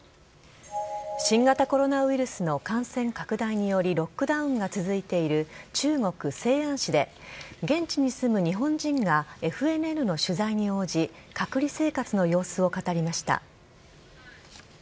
新型コロナウイルスの感染拡大によりロックダウンが続いている中国・西安市で現地に住む日本人がＦＮＮの取材に応じ隔離生活の様子を語りました。